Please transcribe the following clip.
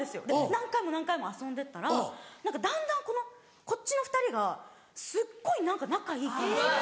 何回も何回も遊んでったらだんだんこっちの２人がすっごい何か仲いい感じに。